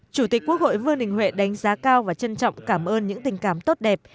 chủ tịch quốc hội vương đình huệ đánh giá cao và trân trọng cảm ơn những tình cảm tốt đẹp